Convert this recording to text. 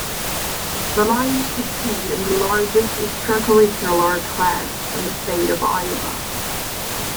The Lions compete in the largest extra curricular class in the state of Iowa.